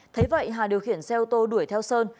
thấy vậy hà điều khiển xe ô tô đuổi theo sơn